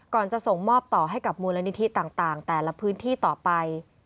จะส่งมอบต่อให้กับมูลนิธิต่างแต่ละพื้นที่ต่อไป